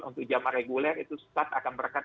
untuk jamaah reguler itu saat akan berangkat